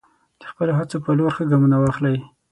د خپلو هڅو په لور ښه ګامونه واخلئ.